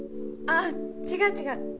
ああ違う違う。